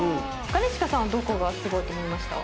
兼近さんどこがすごいと思いました？